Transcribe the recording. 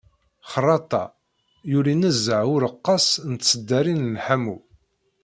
Xerraṭa, yuli nezzeh ureqqas n tṣeddarin n lḥamu.